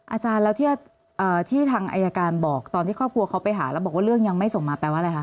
อาจารย์แล้วที่ทางอายการบอกตอนที่ครอบครัวเขาไปหาแล้วบอกว่าเรื่องยังไม่ส่งมาแปลว่าอะไรคะ